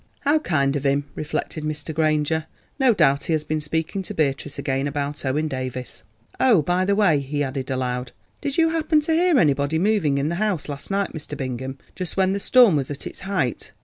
"How kind of him," reflected Mr. Granger; "no doubt he has been speaking to Beatrice again about Owen Davies." "Oh, by the way," he added aloud, "did you happen to hear anybody moving in the house last night, Mr. Bingham, just when the storm was at its height?